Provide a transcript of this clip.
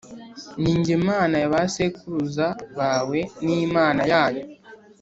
Ni jye Mana ya ba sekuruza bawe n Imana yanyu